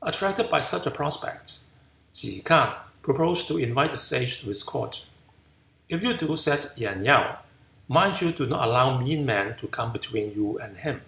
Attracted by such a prospect, Ke K'ang proposed to invite the Sage to his court, "If you do," said Yen Yew, "mind you do not allow mean men to come between you and him."